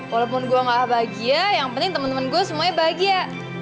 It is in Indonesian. walaupun gue gak lah bahagia yang penting temen temen gue semuanya bahagia